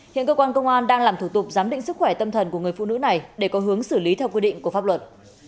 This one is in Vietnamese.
hiện cơ quan công an đang làm thủ tục giám định sức khỏe tâm thần của người phụ nữ này để có hướng xử lý theo quy định của pháp luật